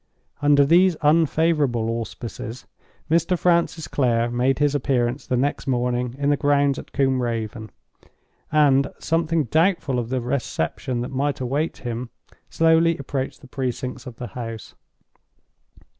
Under these unfavorable auspices, Mr. Francis Clare made his appearance the next morning in the grounds at Combe Raven; and, something doubtful of the reception that might await him, slowly approached the precincts of the house.